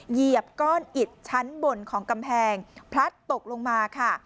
เหยียบก้อนอิดชั้นบนของกำแพงพลัดตกลงมาค่ะ